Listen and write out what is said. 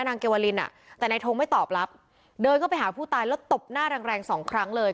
นางเกวาลินอ่ะแต่นายทงไม่ตอบรับเดินเข้าไปหาผู้ตายแล้วตบหน้าแรงแรงสองครั้งเลย